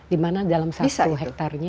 di mana dalam satu hektarnya